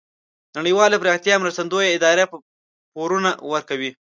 نړیوالې پراختیایې مرستندویه ادارې پورونه ورکوي.